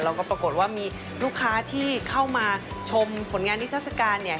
แล้วก็ปรากฏว่ามีลูกค้าที่เข้ามาชมผลงานนิทัศกาลเนี่ย